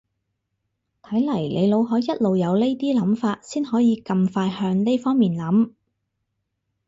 睇嚟你腦海一路有呢啲諗法先可以咁快向呢方面諗